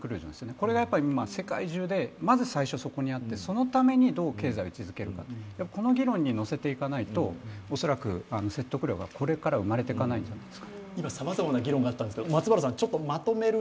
これが世界中でまず最初、そこにあって、そのために、どう経済を位置づけるのかこの議論にのせていかないと、おそらく説得力がこれから生まれてこないと思います。